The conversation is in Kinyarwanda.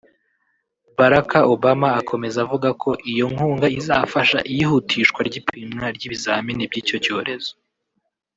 Baraka Obama akomeza avuga ko iyo nkunga izafasha iyihutishwa ry’ipimwa ry’ibizamini by’icyo cyorezo